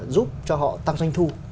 giúp cho họ tăng doanh thu